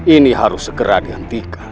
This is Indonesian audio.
ini harus segera dihentikan